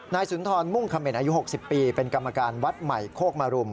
สุนทรมุ่งเขม่นอายุ๖๐ปีเป็นกรรมการวัดใหม่โคกมรุม